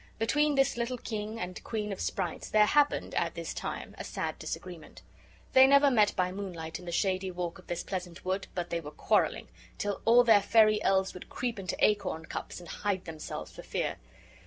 Between this little king and queen of sprites there happened, at this time, a sad disagreement; they never met by moonlight in the shady walk of this pleasant wood but they were quarreling, till all their fairy elves would creep into acorn cups and hide themselves for fear.